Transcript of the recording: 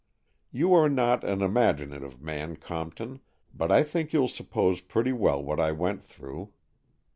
You are not an imaginative man, Compton, but I think you'll suppose pretty well what I went through.